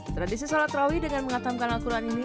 tradisi salat rawi dengan mengatamkan al quran ini